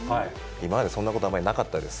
今までそんなことあまりなかったです。